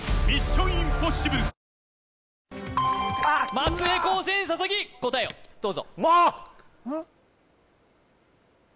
松江高専佐々木答えをどうぞも！